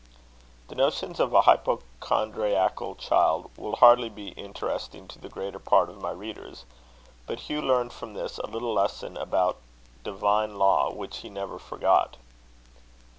The notions of a hypochondriacal child will hardly be interesting to the greater part of my readers; but Hugh learned from this a little lesson about divine law which he never forgot.